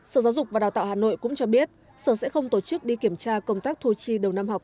sở giáo dục và đào tạo hà nội cũng cho biết sở sẽ không tổ chức đi kiểm tra công tác thu chi đầu năm học